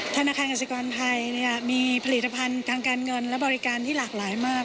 ธนาคารกสิกรไทยมีผลิตภัณฑ์ทางการเงินและบริการที่หลากหลายมาก